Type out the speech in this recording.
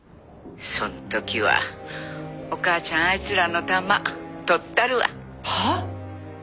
「そん時はお母ちゃんあいつらのタマ取ったるわ」はあ！？